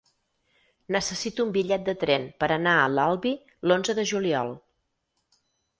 Necessito un bitllet de tren per anar a l'Albi l'onze de juliol.